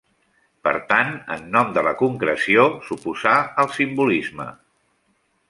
Per tant, en nom de la concreció, s'oposà al simbolisme.